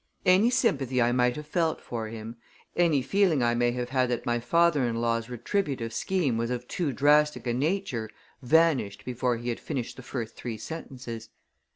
Any sympathy I might have felt for him, any feeling I may have had that my father in law's retributive scheme was of too drastic a nature, vanished before he had finished the first three sentences.